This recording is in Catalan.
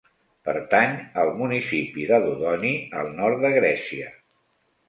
Pertany al municipi de Dodoni, al nord de Grècia.